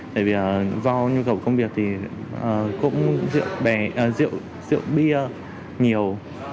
do nhu cầu công việc thì cũng rượu bia nhiều